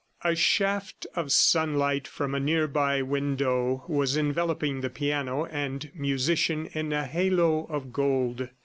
A shaft of sunlight from a nearby window was enveloping the piano and musician in a halo of gold.